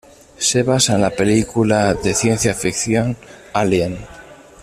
Se basa en la película de ciencia ficción Alien.